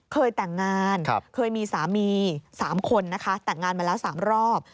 เคยแต่งงานเคยมีสามี๓คนนะคะแต่งงานมาแล้ว๓รอบ